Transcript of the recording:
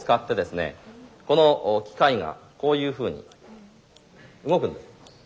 この機械がこういうふうに動くんです。